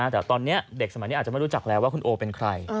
แต่ตอนนี้เด็กสมัยนี้อาจจะไม่รู้จักแล้วว่าคุณโอเป็นใคร